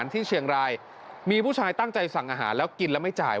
ที่เชียงรายมีผู้ชายตั้งใจสั่งอาหารแล้วกินแล้วไม่จ่าย